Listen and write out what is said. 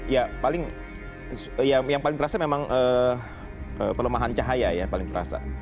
ya paling yang paling terasa memang pelemahan cahaya ya paling terasa